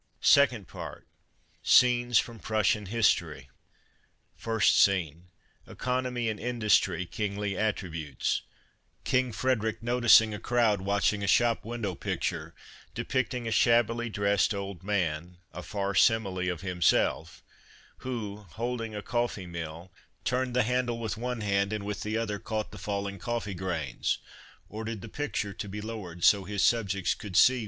second part. Scenes from Prussian History. 1st Scene. — Economy and Industry kingly attributes: King Frederic noticing a crowd watching a shop window picture, depicting a shabbily dressed old man. a far simile of himself, who, holding a coffee mill, turned the handle with one hand and with the other caught the falling coffee grains, ordered the picture to be lowered so his subjects could see.